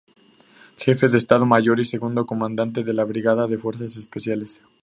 Jefe de Estado Mayor y Segundo Comandante de la Brigada de Fuerzas Especiales.